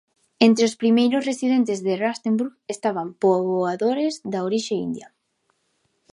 Entre os primeiros residentes de Rustenburg estaban poboadores da orixe india.